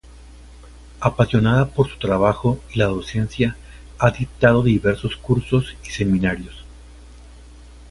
Apasionada por su trabajo y la docencia, ha dictado diversos cursos y seminarios.